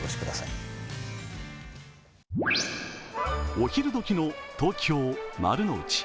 お昼時の東京・丸の内。